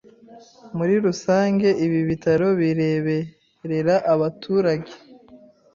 Muri rusange ibi bitaro bireberera abaturage